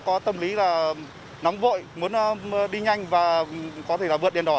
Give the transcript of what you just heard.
người dân có tâm lý là nóng vội muốn đi nhanh và có thể là vượt đèn đỏ